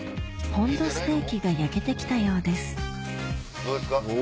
ポンドステーキが焼けて来たようですお！